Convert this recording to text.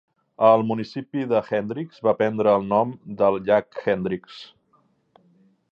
El municipi de Hendricks va prendre el nom del Llac Hendricks.